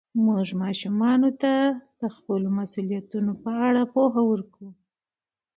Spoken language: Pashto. مور د ماشومانو د خپلو مسوولیتونو په اړه پوهه ورکوي.